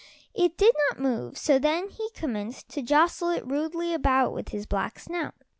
It did not move, so then he commenced to jostle it rudely about with his black snout.